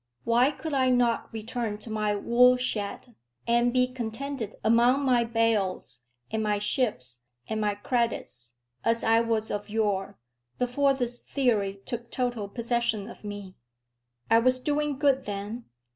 Why could I not return to my wool shed, and be contented among my bales, and my ships, and my credits, as I was of yore, before this theory took total possession of me? I was doing good then.